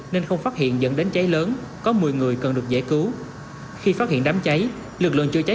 nên không phát hiện dẫn đến cháy lớn có một mươi người cần được giải cứu